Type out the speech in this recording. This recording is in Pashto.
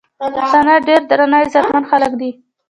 پښتانه ډير درانه او عزتمن خلک دي